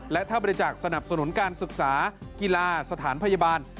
และถ้าบริจาคสนับสนุนการศึกษากีฬาสถานพยาบาล